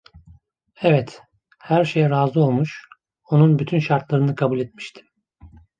Evet, her şeye razı olmuş, onun bütün şartlarını kabul etmiştim.